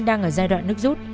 đang ở giai đoạn nước rút